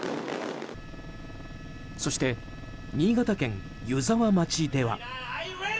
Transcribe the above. そして、新潟県湯沢町では。